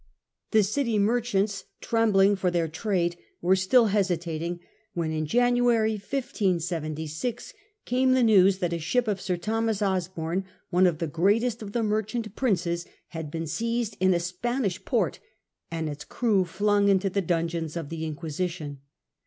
The city merchants, trembling for their trade, were still hesitating, when, in January, 1576, came the news that a ship of Sir Thomas Osborne, one of the greatest of the merchant princes, had been seized in a Spanish port, and its crew flung into the dungeons of the Inquisition.